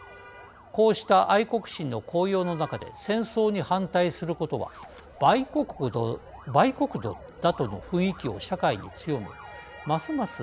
こうした愛国心の高揚の中で戦争に反対することは売国奴だ、との雰囲気を社会に強めますます